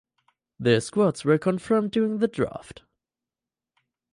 The squads were confirmed during the draft.